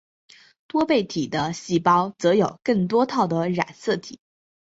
多倍体的细胞则有更多套的染色体。